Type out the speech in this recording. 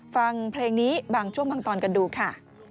ฟังเพลงนี้บางช่วงบางตอนกันดูค่ะ